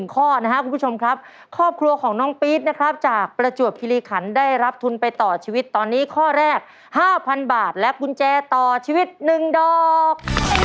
ข้อนะครับคุณผู้ชมครับครอบครัวของน้องปี๊ดนะครับจากประจวบคิริขันได้รับทุนไปต่อชีวิตตอนนี้ข้อแรก๕๐๐๐บาทและกุญแจต่อชีวิต๑ดอก